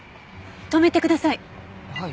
止めてください。